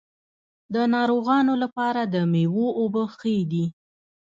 د ناروغانو لپاره د میوو اوبه ښې دي.